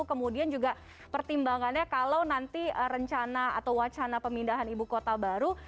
kemudian juga pertimbangannya kalau nanti rencana atau wacana pemindahan ibu kota baru